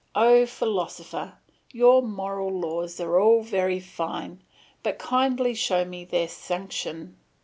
O Philosopher, your moral laws are all very fine; but kindly show me their sanction.